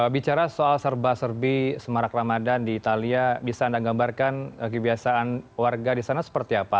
bicara soal serba serbi semarak ramadan di italia bisa anda gambarkan kebiasaan warga di sana seperti apa